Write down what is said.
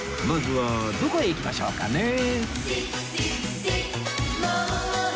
まずはどこへ行きましょうかね？